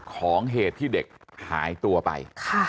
เหตุที่เด็กหายตัวไป